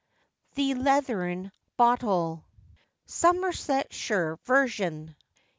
THE LEATHERN BOTTEL. SOMERSETSHIRE VERSION.